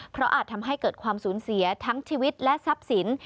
เพราะอาจทำให้เกิดความสูญเสียทั้งชีวิตและทรัพย์สิน